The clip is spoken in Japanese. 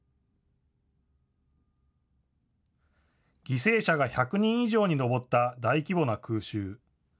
犠牲者が１００人以上に上った大規模な空襲。